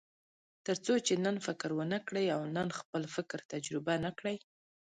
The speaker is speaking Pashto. تر څو چې نن فکر ونه کړئ او نن خپل فکر تجربه نه کړئ.